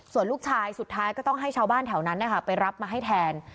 ส่วนลูกชายสุดท้ายก็ต้องให้ชาวบ้านแถวนั้นไปรับมาให้แทน